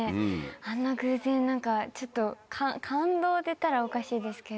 あんな偶然何かちょっと感動って言ったらおかしいですけど。